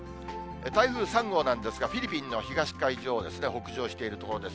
台風３号なんですが、フィリピンの東海上を北上しているところです。